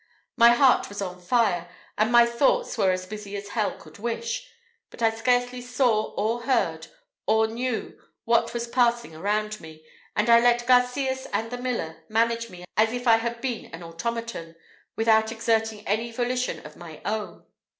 My heart was on fire, and my thoughts were as busy as hell could wish; but I scarcely saw, or heard, or knew what was passing around me; and I let Garcias and the miller manage me as if I had been an automaton, without exerting any volition of my own.